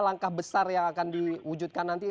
langkah besar yang akan diwujudkan nanti